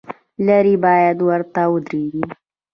لرې باید ورته ودرېږې.